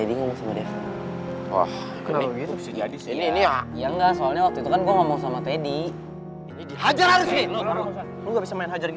bagus deh kalau gitu mbak takut aja tiba tiba dia dateng